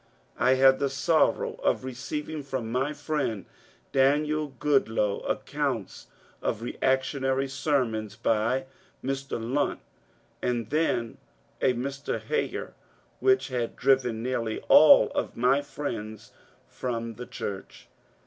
I had the sorrow of receiving from my friend Daniel Goodloe accounts of reaction ary sermons by a Mr. Lunt and then a Mr. Heyer, which had driven nearly all of my friends from the church.